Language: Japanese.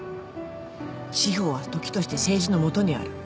司法は時として政治の下にある。